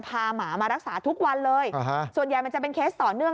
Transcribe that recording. หมามารักษาทุกวันเลยส่วนใหญ่มันจะเป็นเคสต่อเนื่อง